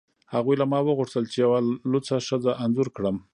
هغوی له ما وغوښتل چې یوه لوڅه ښځه انځور کړم